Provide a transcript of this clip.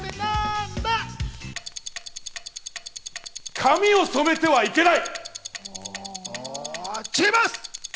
髪を染めてはいけない！